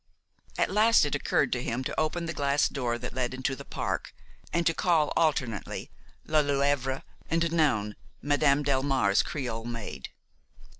At last it occurred to him to open the glass door that lead into the park, and to call alternately Lelièvre and Noun, Madame Delmare's Creole maid.